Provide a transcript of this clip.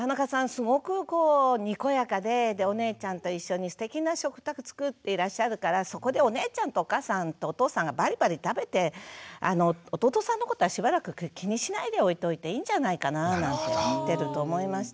すごくこうにこやかでお姉ちゃんと一緒にすてきな食卓作っていらっしゃるからそこでお姉ちゃんとお母さんとお父さんがバリバリ食べて弟さんのことはしばらく気にしないでおいといていいんじゃないかななんて見てると思いました。